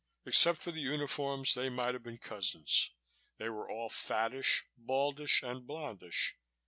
Except for the uniforms, they might have been cousins they were all fattish, baldish and blondish.